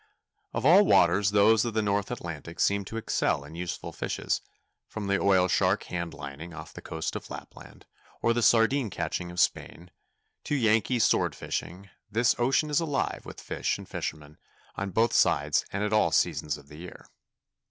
Of all waters those of the North Atlantic seem to excel in useful fishes; from the oil shark hand lining off the coast of Lapland, or the sardine catching of Spain, to Yankee sword fishing, this ocean is alive with fish and fishermen, on both sides and at all seasons of the year.